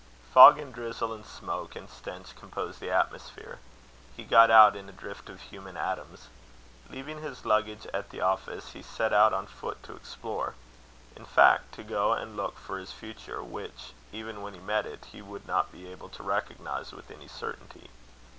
Fog, and drizzle, and smoke, and stench composed the atmosphere. He got out in a drift of human atoms. Leaving his luggage at the office, he set out on foot to explore in fact, to go and look for his future, which, even when he met it, he would not be able to recognise with any certainty.